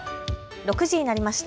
６時になりました。